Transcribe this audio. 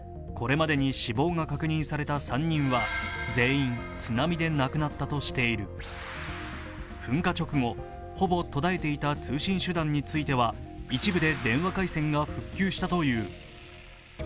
これまでに死亡が確認された３人は全員、津波で亡くなったとしている噴火直後、ほぼ途絶えていた通信手段については一部で電話回線が復旧したという。